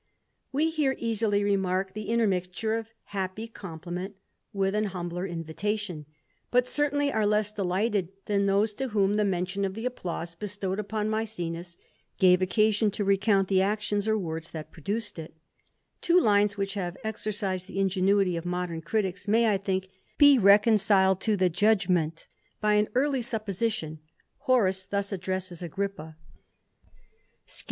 lere easily remark the intermixture of a happy compli with an humble invitation; but certainly are less hted than those, to whom the mention of the applause )wed upon Maecenas, gave occasion to recount the ns or words that produced it m lines which have exercised the ingenuity of modern :ks, may, I think, be reconciled to the judgment, by an supposition : Horace thus addresses Agrippa ; 15 226 THE At>VEiSrTURER.